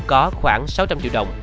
có khoảng sáu trăm linh triệu đồng